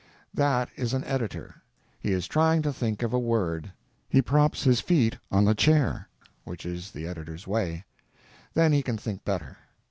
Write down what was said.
That is an editor. He is trying to think of a word. He props his feet on the chair, which is the editor's way; then he can think better.